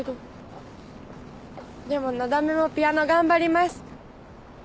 でものだめもピアノ頑張ります。